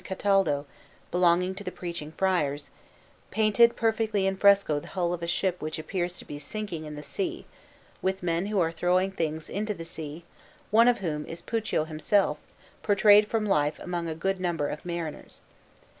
Cataldo, belonging to the Preaching Friars, painted perfectly in fresco the hull of a ship which appears to be sinking in the sea, with men who are throwing things into the sea, one of whom is Puccio himself portrayed from life among a good number of mariners.